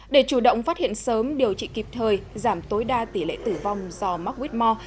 để chủ động phát hiện sớm điều trị kịp thời giảm tối đa tỷ lệ tử vong do marhitmore